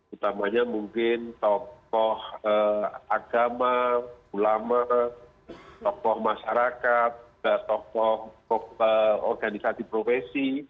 utamanya mungkin tokoh agama ulama tokoh masyarakat tokoh organisasi profesi